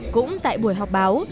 cũng tại buổi họp báo